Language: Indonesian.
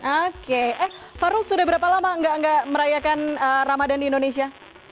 oke eh farul sudah berapa lama nggak merayakan ramadan di indonesia